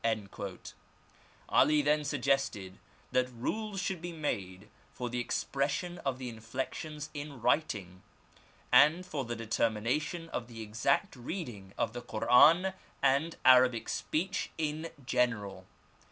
^ Ali then suggested that rules should be made for the expression of the inflections in writing, and for. the determination of the exact reading of the Koran and Arabic speech in general.